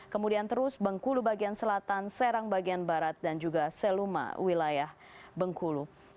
kemudian terus bengkulu bagian selatan serang bagian barat dan juga seluma wilayah bengkulu